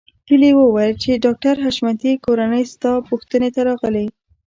هيلې وویل چې د ډاکټر حشمتي کورنۍ ستا پوښتنې ته راغلې